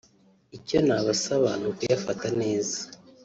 icyo nabasaba ni ukuyafata neza